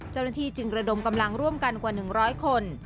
เจ้าหน้าที่จึงระดมกำลังร่วมกันกว่า๑๐๐คน